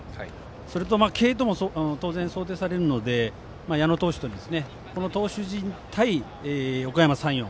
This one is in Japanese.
それと、継投も当然、想定されるので矢野投手とこの投手陣対おかやま山陽。